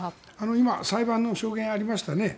今、裁判の証言ありましたね。